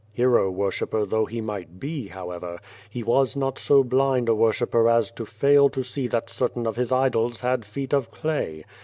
" Hero worshipper though he might be, however, he was not so blind a worshipper as to fail to see that certain of his idols had feet of clay.